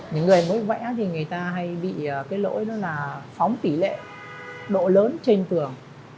những người mới vẽ thì người ta hay bị cái lỗi đó là phóng tỷ lệ độ lớn trên tường